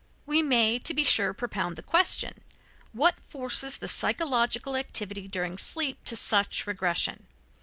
We may, to be sure, propound the question: what forces the psychological activity during sleep to such regression?